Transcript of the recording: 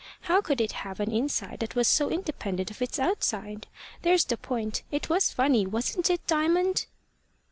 How could it have an inside that was so independent of its outside? There's the point. It was funny wasn't it, Diamond?"